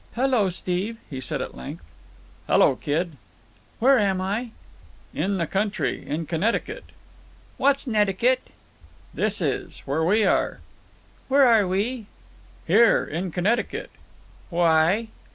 "Hello, Steve," he said at length. "Hello, kid." "Where am I?" "In the country. In Connecticut." "What's 'Necticut?" "This is. Where we are." "Where are we?" "Here. In Connecticut." "Why?"